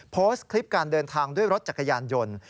โพสต์คลิปการเดินทางด้วยรถจักรยานยนต์